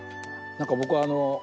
僕あの。